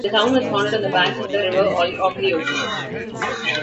The town was founded on the banks of the river Oglio.